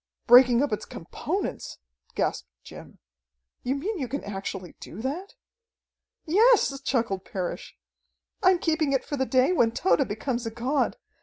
Breaking up its components!" gasped Jim. "You mean you can actually do that?" "Yes!" chuckled Parrish. "I'm keeping it for the day when Tode becomes a god.